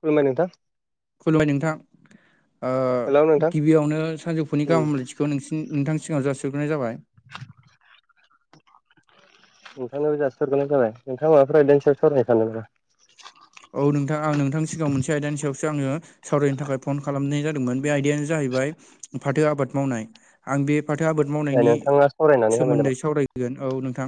खुलुमबाय नोंथां खुलुमबाय नोंथां हेलौ ओ नोंथां गिबियावनो सानजौफुनि उम गाहामलायथि खौ नों नोंथांनि सिगाव जासिहग्रोनाय जाबाय नोंथांनोबो जासिनाय थाबाय जाबाय नोंथां माबाफोरा एदेननसयाव सरायनायखानो नामा औ नोंथां आं नोंथांनि सिगाङाव मोनसे आयदानि सायावसो आङो सावरायनो थाखाय फन खालामनाय जादोंमोन बे आयदायानो जाहैबाय फाथो आबाद मावनाय आं बे फाथो आबाद ए मावनायनि नोंथाङा सावरायनानै होबानो सोमोन्दै जाबाय। सावराय गोन औ नोंथां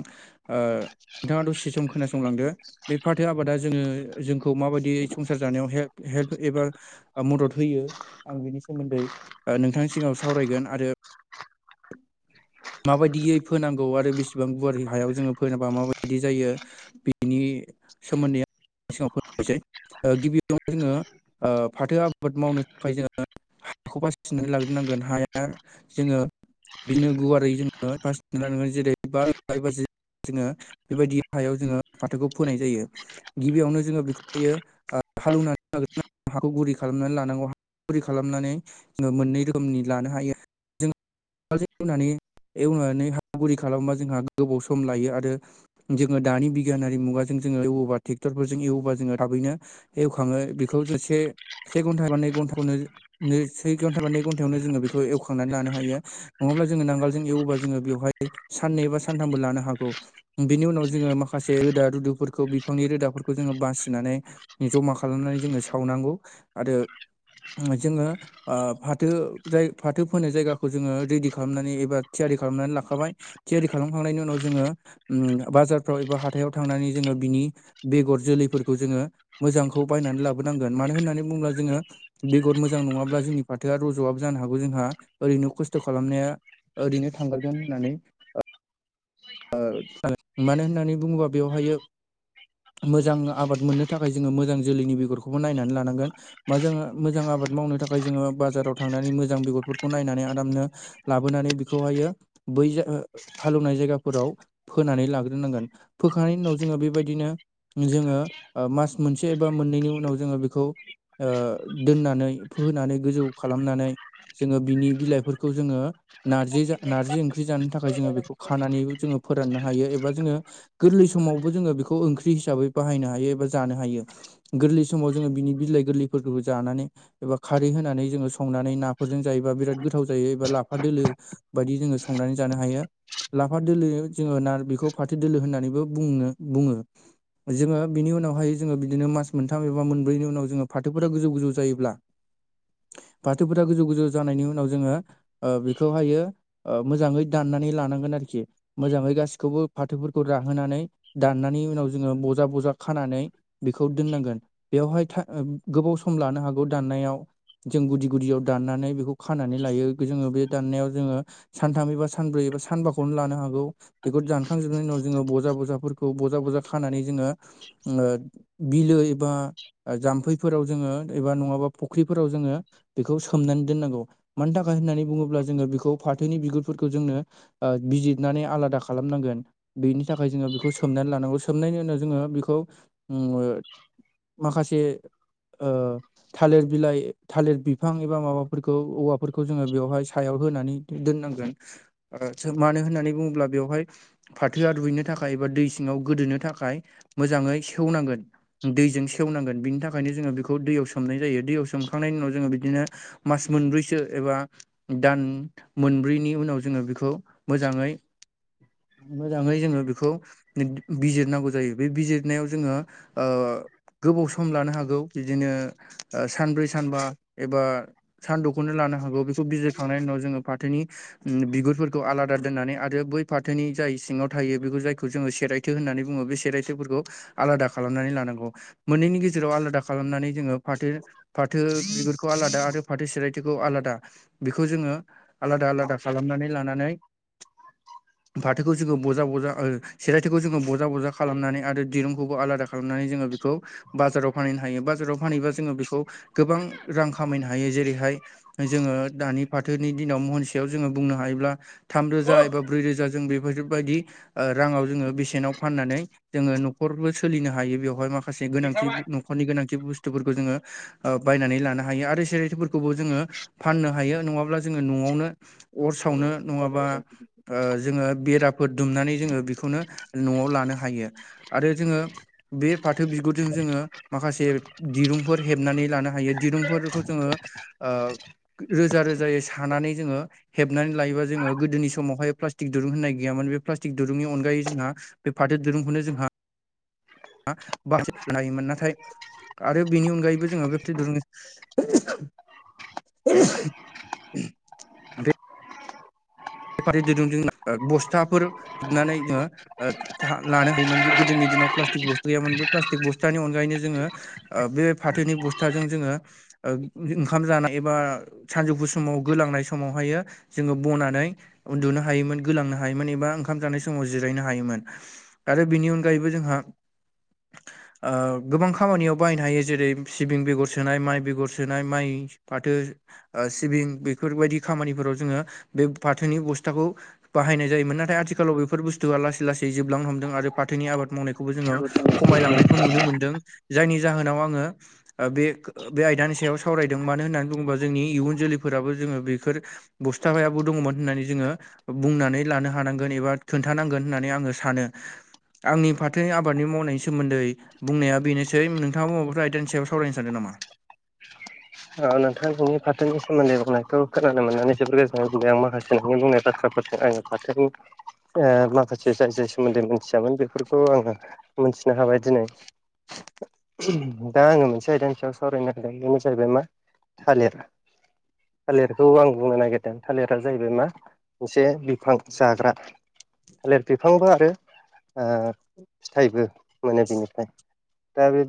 ओ नोंथाङा दसे सम खोनासंलांदो बे फाथो आबादा जोङो जोंखौ माबायदि संसार जानायाव हेल्प हेल्प एबा ओ मदद होयो आं बिनि सोमोन्दै ओ नोंथांनि सिगाङाव सावरायगोन आरो माबायदियै फोनांगौ आरो बेसेबां गुवार हायाव जोङो फोनाबा माबायदि जायो बिनि [inaudible] सिगाङाव फोरमाययसै [unintelligible] गिबियावनो जोङो ओ फाथो आबाद मावनो थाखाय जोङो हाखौ बासिनानै लाग्रोनांगोन हाया जोङो बिनो गुवार जोङो बासनानै लानोनांगोन जेरै बाज [unintelligible] जोङो बेबायदि हायाव जोङो फाथोखौ फोनाय जायो गिबियावनो जोङो बेखौहायो ओ हालौनानै लाग्रो नांगौ हाखौ गुरि खालामनानै लानांगौ [unintelligible] गुरै खालामनानै जोङो मोननै रोखोमनि लानो हायो जों [unintelligible] एवनानै एवनानै हा गुरै खालामबा जोंहा गोबाव सम लायो आरो जोङो दानि बिगियानारि मुगाजों जोङो एवोबा ट्रेक्टरफोरजों एवोबा जोङो थाबैनो एवखाङो बेखौ जसे से घन्टा बा नै घन्टाखौनो नै सोइ घन्टा बा नै घन्टायावनो जोङो बेखौ एवखांनानै लानो हायो नङाब्ला जोङो नांगोलजों एवोबा जोङो बेवहाय साननै एबा सानथामबो लानो हागौ बिनि उनाव जोङो माखासे रोदा रुदुफोरखौ बिफांनि रोदाफोरखौ जोङो बासिनानै जमा खालामनानै जोङो सावनांगौ आरो जोङो ओ फाथो जाय फाथो फोनो जायगाखौ जोङो रेडि खालामनानै एबा थियारि खालामनानै लाखाबाय थियारि खालामखांनायनि उनाव जोङो उम बाजारफ्राव एबा हाथायाव थांनानै जोङो बिनि बेगर जोलैफोरखौ जोङो मोजांखौ बायनानै लाबोनांगोन मानो होननानै बुङोब्ला जोङो बेगर मोजां नङाब्ला जोंनि फाथोआ रज'वाबो जानो हागौ जोंहा ओरैनो खस्थ' खालामनाया ओरैनो थांगारगोन होननानै ओ [unintelligible] मानो होननानै बुङोबा बेवहायो मोजां आबाद मोननो थाखाय जोङो मोजां जोलैनि बेगरखौबो नायनानै लानांगोन मा जोङो मोजां आबाद मावनो थाखाय जोङो बाजाराव थांनानै मोजां बेगरफोरखौ नायनानै आरामनो लाबोनानै बेखौहायो बै हालौवनाय जायगाखौ फोराव फोनानै लाग्रोनांगोन फोखांनायनि उनाव जोङो बेबायदिनो जोङो ओ मास मोनसे एबा मोननैनि उनाव जोङो बेखौ ओ दोननानै फोहोनानै गोजौ खालामनानै जोङो बिनि बिलाइफोरखौ जोङो नारजि जा नारजि ओंख्रि जानो थाखाय जोङो बेखौ खानानै जोङो फोराननो हायो एबा जोङो गोरलै समावबो जोङो बेखौ ओंख्रि हिसाबै बाहायनो हायो एबा जानो हायो गोरलै समाव जोङो बिनि बिलाइ गोरलैफोरखौबो जानानै एबा खारै होनानै जोङो संनानै नाफोरजों जायोबा बिराद गोथाव जायो एबा लाफा दोलो बायदि जोङो संनानै जानो हायो लाफा दोलो जोङो ना बेखौ फाराथो दोलो होननानैबो बुंनो बुङो जोङो बिनि उनावहाय जोङो बिदिनो मास मोनथाम एबा मोनब्रैनि उनाव जोङो फाथोफोरा गोजौ गोजौ जायोब्ला फाथोफोरा गोजौ गोजौ जानायनि उनाव जोङो ओ बेखौहायो ओ मोजाङै दाननानै लानांगोन आरोखि मोजाङै गासिखौबो फाथोफोरखौ राहोनानै दाननानै उनाव जोङो बजा बजा खानानै बेखौ दोननांगोन बेवहाय था ओ गोबाव सम लानो हागौ दाननायाव जों गुदि गुदियाव दाननानै बेखौ खानानै लायो जोङो बे दाननायाव जोङो सानथाम एबा सानब्रै एबा सानबाखौनो लानो हा गौ बेखौ दानखांजोबनायनि उनाव जोंङो बजा बजाफोरखौ बजा बजा खानानै जोंङो ओ बिलो एबा जाम्फैफोराव जोंङो एबा नङाबा फुख्रिफोराव जोंङो बेखौ सोमनानै दोननांगौ मानि थाखाय होननानै बुङोब्ला जोंङो बेखौ फाथोनि बिगुरफोरखौ जोंनो ओ बिजि नानै आलादा खालामनांगोन बेनि थाखाय जोंङो बेखौ सोमनानै लानांगौ सोमनायनि उनाव जोंङो बेखौ ओ माखासे ओ थालिर बिलाइ थालिर बिफां एबा माबाफोरखौ औवाफोरखौ जोंङो बेवहाय सायाव होनानै दोननांगोन मानो होननानै बुङोब्ला बेवहाय फाथोआ रूइनो थाखाय एबा दै सिङाव गोदोनो थाखाय मोजाङै सेवनांगोन दैजों सेवनांगोन बिनि थाखायनो जोंङो बेखौ दैयाव सोमनाय जायो दैयाव सोमखांनायनि उनाव जोंङो बिदिनो मास मोनब्रैसो एबा दान मोनब्रैनि उनाव जोंङो बेखौ मोजाङै मोजांङै जोंङो बेखौ बिजिरनांगौ जायो बे बिजिरनायाव जोंङो ओ गोबाव सम लानो हागौ बिदिनो ओ सानब्रै सानबा एबा सान द खौनो लानो हागौ बेखौ बिजिरखांनायनि उनाव जोङो फाथोनि बिगुरफोरखौ आलादा दोननानै आरो बै फाथोनि जाय सिङाव थायो बेखौ जायखौ जोंङो सेरायथो होननानै बुंङो बे सेरायथोफोरखौ आलादा खालामनानै लानांगौ मोननैनि गेजेराव आलादा खालामनानै जोंङो फाथो फाथो बिगुरखौ आलादा आरो फाथो सिरायथोखौ आलादा बेखौ जोंङो आलादा आलादा खालामनानै लानानै [inaudible] फाथोखौ जोंङो बजा बजा ओ सेरायथोखौ जोंङो बजा बजा खालामनानै आरो दिरुंखौबो आलादा खालामनानै जोङो बेखौ बाजाराव फानहैनो हायो बाजाराव फानहेबा जोङो बेखौ गोबां रां खामायनो हायो जेरैहाय जोंङो दानि फाथोनि दिनाव महनसेयाव जोंङो बुंनो हायोब्ला थामरोजा एबा ब्रै रोजा जों बेफोरबायदि ओ रांङाव जोंङो बेसेनाव फाननानै जोंङो न'खरबो सोलिनो हायो बेवहाय माखा खासे गोनांथि न'ख रनि गोनांथि बुस्थुफोरखौ जोंङो बायनानै लानो हायो आरो सेरायथिफोरखौबो जोंङो फाननो हायो नङाब्ला जोंङो न'आवनो अर सावनो नङाबा ओ जोंङो बेराफोर दुमनानै जोंङो बेखौनो न'आव लानो हायो आरो जोंङो बे फाथो बिगुरजों जोंङो माखासे दिरुंफोर हेबनानै लानो हायो दिरुंफोरखौ जोंङो ओ रोजा रोजायै सानानै जोंङो हेबनानै लायोबा जोंङो गोदोनि स समावहाय प्लास्टिक दुरुं होननाय गैयामोन बे प्लास्टिक दुरुंनि अनगायै जोंहा बे फाथो दुरुंखौनो जोंहा [unintelligible] नाथाय आरो बेनि अनगायैबो जोंङो बेबायदि दुरुं बेफारि दोरुंजों बस्थाफोर हेबनानै जोंङो लानो हायोमोन गोदोनि दिनाव प्लास्टिक बस्था गैयामोन बे प्लास्टिक बस्थानि अनगायै जोंङो बे फाथोनि बस्थाजों जोंङो ओंखाम जानाय एबा सानजौफु समाव गोलांनाय समावहायो जोंङो बनानै उन्दुनो हायोमोन गोलांनो हायोमोन एबा ओंखाम जानाय समाव जिरायनो हायोमोन। आरो बेनि अनगायैबो जोंहा गोबां खामानियाव बायनो हायो जेरै सिबिं बेगर सोनाय माइ बेगर सोनाय माइ फाथो सिबिं बेफोरबायदि खामानिफोराव जोङो बे फाथोनि बस्थाखौ बाहायनाय जायोन नाथाय आथिखालाव बेफोर बुस्थुआ लासै लासै जोबलां हमदों आरो फाथोनि आबाद मावनाय खौबो जोंङो खमायलांनायखौ नुनो मोनदों जायनि जाहोनाव आंङो बे बे आयदानि सायाव सावरायदों मानो होननानै बुङोबा जोंनि इयुन जोलैफोराबो जोंङो बेफोर बस्था हायाबो दङमोन। होननानै जोङो बुंनानै लानो हानांगोन एबा खोन्थानांगोन होननानै आङो सानो। आंनि फाथो आबादनि मावनायनि सोमोन्दै बुंनाया बेनोसै नोंथाङा माबाफोर आइदानि सायाव सावरायनो सानदों नामा? औ नोंथां नोंनि फाथोनि सोमोन्दै बुंनायखौ खोनानो मोननानै जोबोर गोजोन्नाय मोनदों आं माखासे नोंनि बुंनाय बाथ्राफोर आङो फाथोनि ओ माखासे जाय जाय सोमोन्दैनि मिथियामोन बेफोरखौ आङो मोनथिनो हाबाय दिनै। दा आङो मोनसे आयदानि सायाव सावरायनो हादों बेनो जाहैबाय मा थालिर थालिरखौ आं बुंनो नागिरदों थालिरा जाहैबाय मा मोनसे बिफां जाग्रा। थालिर बिफांबो आरो ओ फिथाइबो माने बिनिफ्राय। दा बे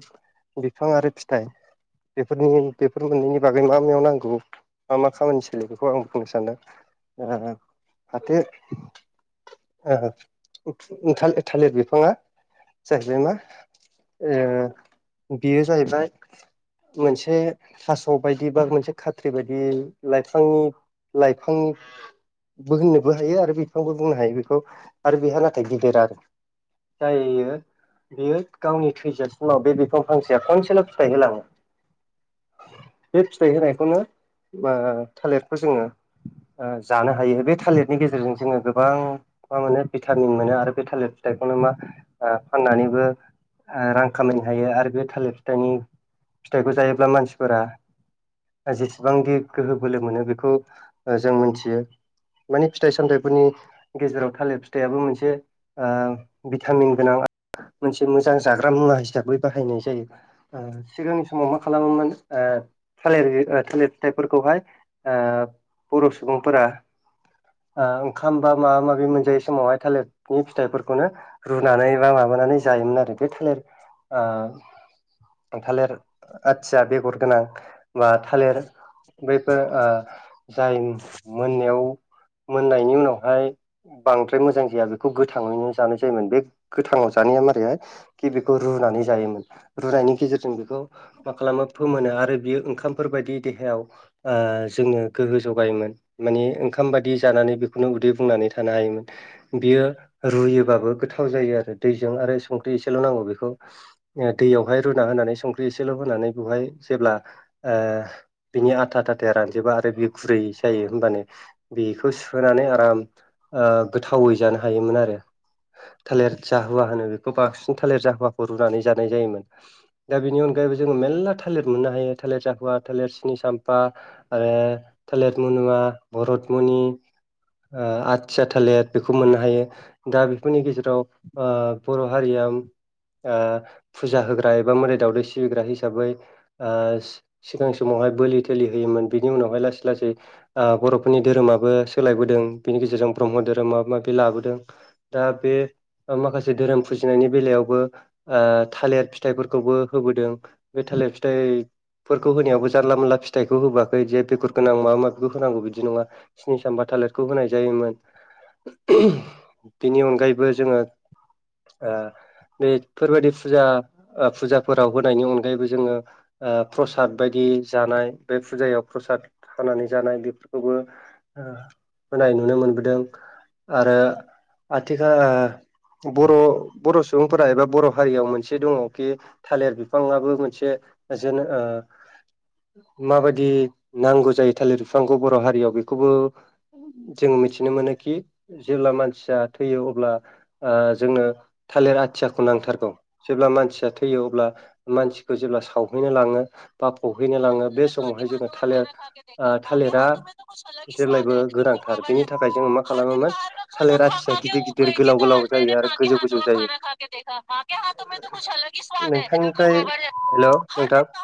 बिफां आरो फिथाइ बेफोरनि बेफोर मोननैनि बागै मा मायाव नांगौ मा मा खामानि सोलियो बेखौ आं बुंनो सानदों। ओ फाथो ओ थालिर बिफाङा जाहैबाय मा ओ बेयो जाहैबाय मोनसे थास' बायदि बा मोनसे खाथ्रि बायदि लाइफां लाइफां होननोबो हायो आरो बिफांबो बुंनो हायो बेखौ आरो बेहा नाथाय गिदिर आरो। जायो बियो गावनि थैजासिमाव बे बिफां फांसेया फांसेल' फिथाइ होला बे फिथाइ होनायखौनो ओ थालिरखौ जोङो ओ जानो हायो बे थालिरनि गेजेरजों जोङो गोबां मा मोनो भिटामिन मोनो आरो बे थालिर फिथाइखौनो मा ओ फाननानैबो ओ‌ रां खामायनो हायो आरो बे थालिर फिथाइनि फिथाइखौ जायोब्ला मानसिफोरा जेसेबांखि गोहो बोलो मोनो बेखौ जों मोनथियो। मानि फिथाइ सामथाइफोरनि गेजेराव थालिर फिथाइयाबो मोनसे ओ भिटामिन गोनां मोनसे मोजां जाग्रा मुवा हिसाबै बाहायनाय जायो। सिगांनि समाव मा खालामोमोन ओ थालिर थालिर फिथाइफोरखौहाय ओ बर' सुबुंफोरा ओ ओंखाम बा माबा माबि मोनजाय समावहाय थालिरनि फिथाइफोरखौनो रुनानै बा माबानानै जायोमोन आरो बे थालेर आ थालेर आथिया बेगर गोनां बा थालिर बैफोर ओ जाय मोननायाव मोननायनि उनावहाय बांद्राय मोजां जाया बेखौ गोथाङैनो जानाय जायोमोन बे गोथाङाव जानाया मारैहाय खि बेखौ रुनानै जायोमोन रुनायनि गेजेरजों बेखौ मा खालामो फोमोनो आरो बियो ओंखामफोरबायायदि देहायाव ओ जोङो गोहो जगायोमोन। माने ओंखाम बादि जानानै बेखौनो उदै बुंनानै थानो हायोमोन। बियो रुयोबाबो गोथाव जायो आरो दैजों आरो संख्रि एसेल' नांगौ बेखौ रु दैयावहाय रुना होनानै संख्रि एसेल' होनानै बेवहाय जेब्ला बिनि आथा थााथा रानजोबबा आरो बे गुरै जायो होमबानो बेखौ सुहोनानै आराम गोथावै जानो हायोमोन आरो। थालिर जाहुवा होनो बेखौ बांसिन थालिर जाहुवाखौ रुनानै जानाय जायोमोन। ‍ दा बेनि अनगायैबो जोङो मेल्ला थालिर मोननो हायो थालिर जाहुवा थालिर सिनि साम्फाखौ आरो थालिर मनिवा भरतमुनि ओ आथिया थालिर बेखौ मोननो हायो दा बेफोरनि गेजेराव ओ बर' हारियाबो ओ फुजा होग्रा एबा मोराय दावदै सिबिग्रा हिसाबैबो सिगां समावहाय बोलि थलि होयोमोन बिनि उनावहाय लासै लासै। बर'फोरनि धोरोमाबो सोलायबोदों बिनि गेजेरजों ब्रह्म धोरोम माबा माबि लाबोदों। दा ऐ बे माखासे धोरोम फुजिनायनि बेलायावबो ओ थालिर फिथाइफोरखौबो होबोदों बे थालिर फिथाइ फोरखौ होनायावबो जानला मोनला फिथाइखौ होआखै बिदि ओ बेगुर गोनां माबा माबिखौ होनांगौ बिदि नङा स्नि सामफ्फा थालिरखौ होनाय जायोमोन। बेनि अनगायैबो जोङो। ओ बेफोरबायदि फुजा ओ फुजाफोराव होनायनि अनगायैबो जोङो ओ प्रसाद बायदि जानाय बे फुजायाव प्रसाद खानानै जानाय बेफोरखौबो ओ होनाय नुनो मोनबोदों ओ आरो आथिखाल ओ ओ बर' बर' सुबुंफोरा एबा बर' हारियाव मोनसे दङ कि थालिर बिफाङाबो मोनसे जेन ओ माबायदि नांगौ जायो थालिर बिफांखौ बर' हारियाव बेखौबो जोङ मिथिनो मोनोखि जेब्ला मानसिया थैयो अब्ला ओ जोङोबो थालिर आथियाखौ नांथारगौ जेब्ला मानसिया थैयो अब्ला मानसिखौ जेब्ला सावो नो लाङो बा फबहैनो लाङो बे समावहाय जोङो थालिर ओ थालिरा जेब्लायबो गोरान थार बेनि थाखाय जोङो मा खालामोमोन थालिर आथिया गिदिर गिदिर गोलाव गोलाव जायो आरो गोजौ गोजौ जायो। नोंथांनिफ्राय हेल' [unintelligible] [unintelligible]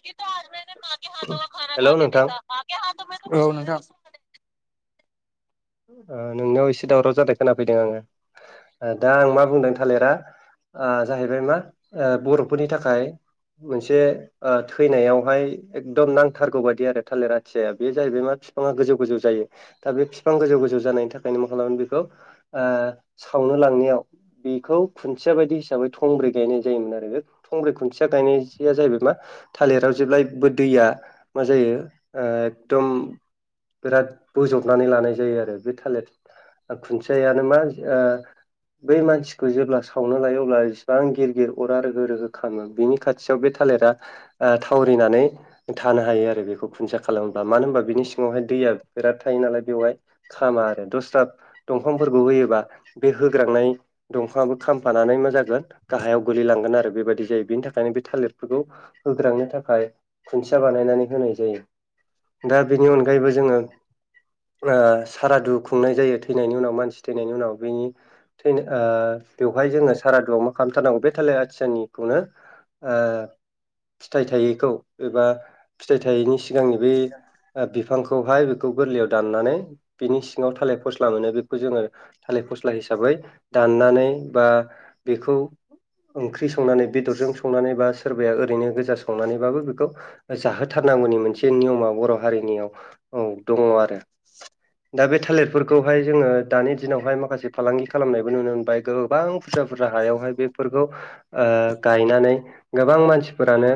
[unintelligible] हेल' नोंथां औ नोंथां ओ नोंनाव एसे दावराव जानाय खोनाफैदों आङो ओ दा आं मा बुंदों थालिरा ओ ओ जाहैबाय मा ओ बर'फोरनि थाखाय मोनसे ओ थैनायावहाय एकदम नांथारगौ बायदि आरो थालिर आथिया बे जाहैबाय मा बिफाङा गोजौ गोजौ जायो। दा बे बिफां गोजौ गोजौ जानायनि थाखायनो मा खालामो बेखौ ओ सावनो लांनायाव बेखौ खुन्थिया बायदि हिसाबै थंब्रै गायनाय जायोमोन आरो। थंब्रि खुन्थिया गायनाया जाहैबाय मा? थालिराव जेब्लायबो दैया मा जायो ओ एकदम फोरा बिराद बोजबनानै लानाय जायो आरो बे थालिर खुन्थियायानो मा ओ बै मानसिखौ जेब्ला सावनो लायो अब्लासिबां गिर गिर अरा रहो रोहो खालामो बेनि खाथिया थियाव बे थालिरा ओ थावरिनानै थानो हायो आरो बेखौ खुन्थिया खालामोबा मानो होनबा बिनि सिङावहाय दैया बिराद थायो नालाय बेवहाय खामा आरो दस्रा दंफांफोरखौ होयोबा बे होग्रांनाय दंफाङाबो खामफानानै मा जागोन गाहायाव गोलैलांगोन आरो बेबायदि जायो बेनि थाखायनो बे थालिरफोरखौबो होग्रांनो थाखाय खुन्थिया बानायनानै होनाय जायो दा बेनि ओ अनगायैबो जोङो ओ सारादु खुंनाय जायो थैनायनि उनाव मानसि थैनायनि उनाव बैनि थैनो ओ बेवहाय जोङो सारादुआव मा खालामथारनांगौ बे थालिर आथिसनिखौनो ओ फिथाइ थायैखौ एबा फिथाइ थायैनि सिगांनि बै बिफांखौहाय बेखौ गोरलैयाव दाननानै बिनि सिङाव थालिर फस्ला मोनो बेखौ जोङो थालिर फस्ला हिसाबै दाननानै बा बेखौ ओंख्रि संनानै बेदरजों संनानै बा सोरबाया ओरैनो गोजा संनानैबाबो बेखौ जाहोथारनांगौनि मोनसे नियमा बर' हारिनियाव औ दङ आरो [inaudible] दा बे थालिरफोरखौहाय जोङो दानि दिनावहाय माखासे फालांगि खालामनायबो नुनो मोनबाय गोबां बुरजा बुरजा हायावहाय बेफोरखौ ओ गायनानै गोबां मानसिफोरानो